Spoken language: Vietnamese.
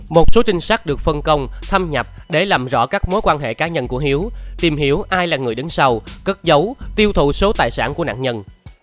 một số trinh sát được phân công thâm nhập để làm rõ các mối quan hệ cá nhân của hiếu tìm hiểu ai là người đứng sau cất dấu tiêu thụ số tài sản của nạn nhân